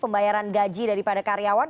pembayaran gaji daripada karyawan